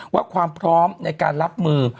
ว่าความพร้อมในการรับมือ